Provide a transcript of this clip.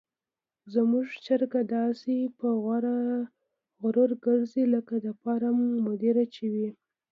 زموږ چرګه داسې په غرور ګرځي لکه د فارم مدیره چې وي.